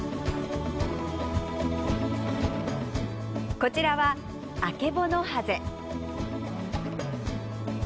こちらはアケボノハゼ。